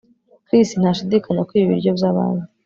Chris ntashidikanya kwiba ibiryo byabandi